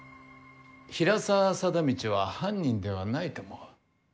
平沢貞通は犯人ではないと思う。